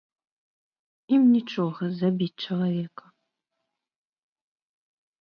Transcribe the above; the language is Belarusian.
Ім нічога забіць чалавека!